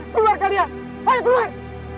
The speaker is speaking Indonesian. keluar kalian ayo keluar